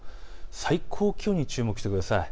最高気温に注目してください。